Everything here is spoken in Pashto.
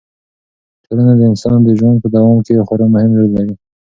ټولنه د انسان د ژوند په دوام کې خورا مهم رول لري.